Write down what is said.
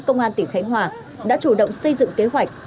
công an tỉnh khánh hòa đã chủ động xây dựng kế hoạch